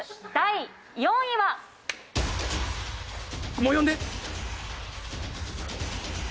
もう呼んで。